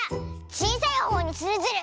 ちいさいほうにするズル！